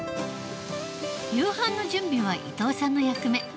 夕飯の準備は伊藤さんの役目。